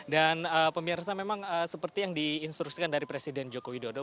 dan pemirsa memang seperti yang diinstruksikan dari presiden joko widodo